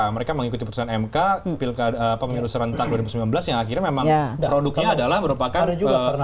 mereka mengikuti putusan mk pemilu serentak dua ribu sembilan belas yang akhirnya memang produknya adalah merupakan